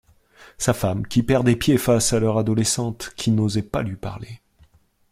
sa femme qui perdait pied face à leur adolescente, qui n’osait pas lui parler